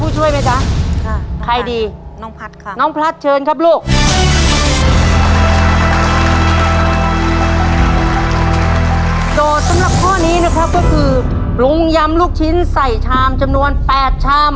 สำหรับข้อนี้นะครับก็คือปรุงยำลูกชิ้นใส่ชามจำนวน๘ชาม